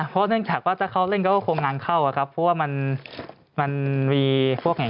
พ่อเล่นจากว่าถ้าเขาเล่นก็คงงังเข้าอ่ะครับเพราะว่ามันมันมีพวกอย่าง